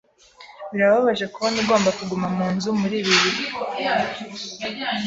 Birababaje kubona ugomba kuguma mu nzu muri ibi bihe.